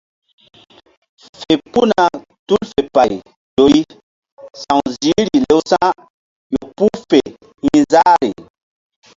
Fe puhna tul fe pay ƴo ri sa̧w ziihri lewsa̧ ƴo puh fe hi̧ záhri.